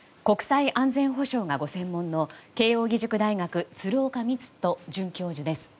国際安全保障がご専門の慶應義塾大学鶴岡路人准教授です。